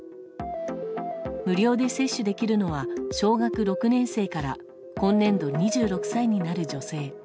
無料で接種できるのは小学６年生から今年度２６歳になる女性。